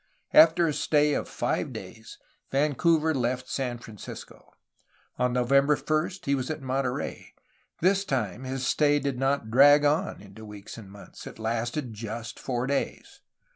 After a stay of five days Vancouver left San Francisco. On November 1st he was at Monterey. This time his stay did not drag on into weeks and months. It lasted just four days.